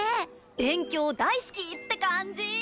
「勉強大好き！」って感じ。